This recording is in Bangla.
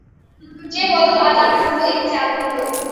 যে বদল আজ আমার হল এ কি জাত-বদল।